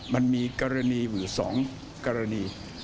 มันมีกรณีอยู่๒กรณี